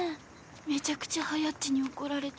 めちゃくちゃはやっちに怒られた。